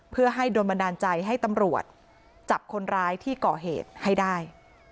เพื่อให้โดนบันดาลใจให้ตำรวจจับคนร้ายที่ก่อเหตุให้ได้